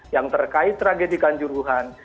yang terkait tragedikan juruhan